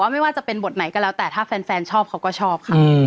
ไม่ว่าจะเป็นบทไหนก็แล้วแต่ถ้าแฟนชอบเขาก็ชอบค่ะ